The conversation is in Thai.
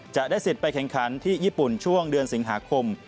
จะได้สิทธิ์ไปแข่งขันที่ญี่ปุ่นช่วงเดือนสิงหาคม